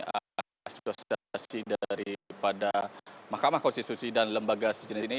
asosiasi daripada mahkamah konstitusi dan lembaga sejenis ini